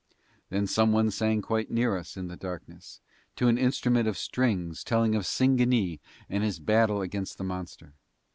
Then some one sang quite near us in the darkness to an instrument of strings telling of Singanee and his battle against the monster.